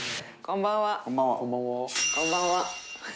「こんばんは」